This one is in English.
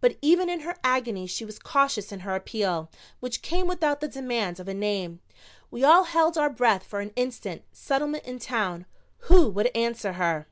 But even in her agony she was cautious in her appeal, which came without the demand of a name. We all held our breath for an instant, Settlement and Town. Who would answer her?